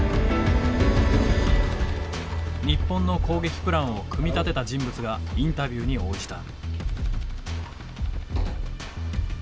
日本の攻撃プランを組み立てた人物がインタビューに応じた。